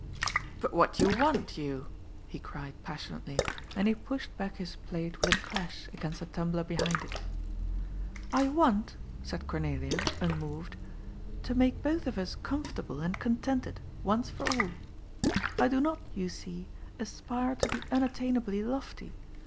"But what do you want, you?" he cried passionately, and he pushed back his plate with a clash against the tumbler behind it. " I want," said Cornelia, unmoyed, " to make both of us comfortable and contented, once for all. I do not, you see, aspire to the unattainably lofty.